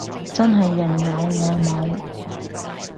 真係人有我冇